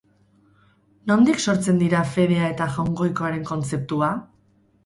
Nondik sortzen dira fedea eta jaungoikoaren kontzeptua?